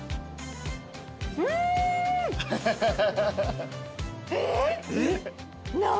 うん！えっ！？